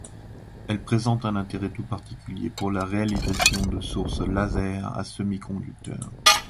Elle présente un intérêt tout particulier pour la réalisation de sources laser à semiconducteur.